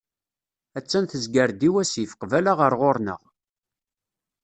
Attan tezger-d i wasif, qbala ɣer ɣur-neɣ.